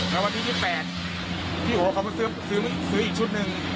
แม้ว่าพี่ที่แปดพี่โอเค้าก็ซื้อซื้อซื้ออีกชุดหนึ่ง